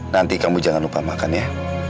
nanti kamu jangan lupa makan ya